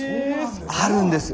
あるんです。